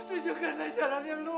tujukanlah jalanmu ya allah